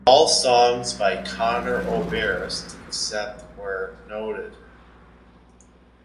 All songs by Conor Oberst, except where noted.